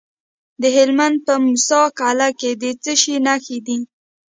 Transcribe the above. د هلمند په موسی قلعه کې د څه شي نښې دي؟